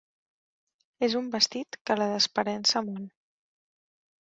És un vestit que la desparença molt.